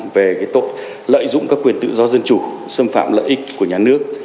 về tội lợi dụng các quyền tự do dân chủ xâm phạm lợi ích của nhà nước